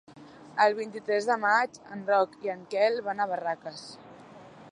El vint-i-tres de maig en Roc i en Quel van a Barraques.